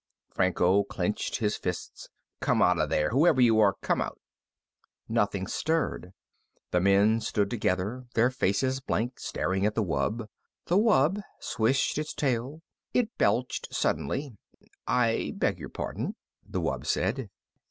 Franco clenched his fists. "Come out of there! Whoever you are, come out!" Nothing stirred. The men stood together, their faces blank, staring at the wub. The wub swished its tail. It belched suddenly. "I beg your pardon," the wub said.